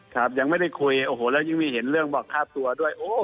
ครับยังไม่ได้คุยโอ้โหแล้วยิ่งมีเห็นเรื่องบอกฆ่าตัวด้วย